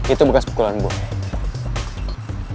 itu bekas pukulan gue